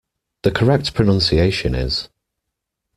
The correct pronunciation is.